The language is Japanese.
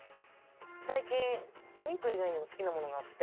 最近お肉以外にも好きな物があって。